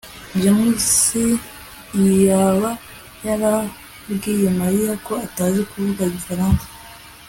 james yaba yarabwiye mariya ko atazi kuvuga igifaransa